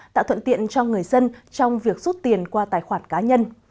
tạo thuận tiện cho người dân trong việc rút tiền qua tài khoản cá nhân